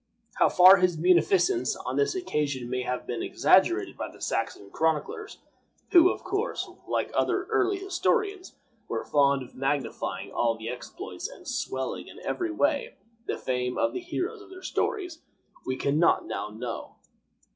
How far his munificence on this occasion may have been exaggerated by the Saxon chroniclers, who, of course, like other early historians, were fond of magnifying all the exploits, and swelling, in every way, the fame of the heroes of their stories, we can not now know.